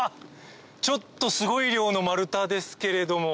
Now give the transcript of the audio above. ちょっとすごい量の丸太ですけれども。